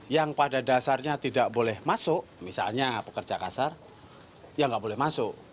yang pada dasarnya tidak boleh masuk misalnya pekerja kasar ya nggak boleh masuk